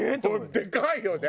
でかいよね。